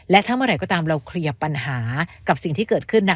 และถ้าเมื่อไหร่ก็ตามเราเคลียร์ปัญหากับสิ่งที่เกิดขึ้น